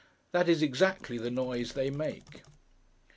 That is exactly the noise they make.